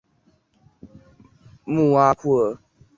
穆阿库尔。